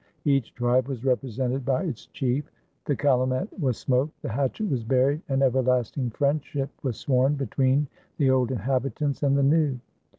Each tribe was represented by its chief. The calumet was smoked, the hatchet was buried, and everlasting friendship was sworn between the old inhabitants and the new.